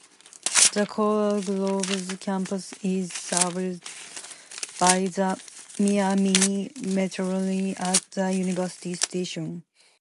The Coral Gables campus is served by the Miami Metrorail at the University Station.